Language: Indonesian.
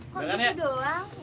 kok gitu doang